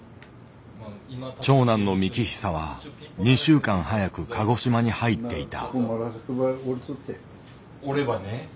長男の幹久は２週間早く鹿児島に入っていた。